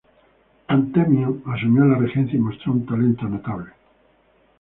Antemio asumió la regencia y mostró un talento notable.